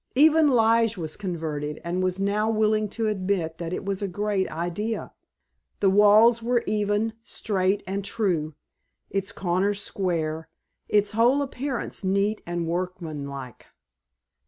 Even Lige was converted and was now willing to admit that it was a great idea. The walls were even, straight, and true, its corners square, its whole appearance neat and workman like.